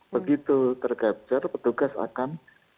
begitu tergantung petugas akan